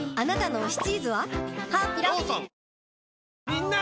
みんな！